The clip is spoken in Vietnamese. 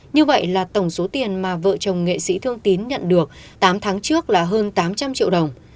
như vậy là tổng số tiền mà vợ chồng nghệ sĩ thương tín nhận được tám tháng trước là hơn tám trăm linh triệu đồng